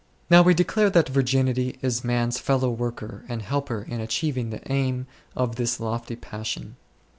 Now we declare that Virginity is man's " fellow worker " and helper in achieving the aim of this lofty passion.